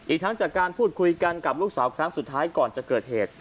ทั้งจากการพูดคุยกันกับลูกสาวครั้งสุดท้ายก่อนจะเกิดเหตุ